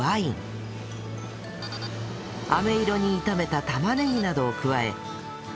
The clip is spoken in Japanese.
飴色に炒めた玉ねぎなどを加え